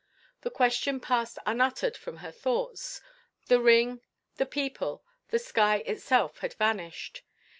The question passed unuttered from her thoughts. The ring, the people, the sky itself had vanished.